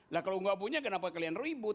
nah kalau enggak punya kenapa kalian ribut